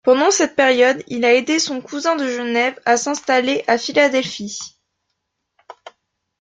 Pendant cette période, il a aidé son cousin de Genève à s'installer à Philadelphie.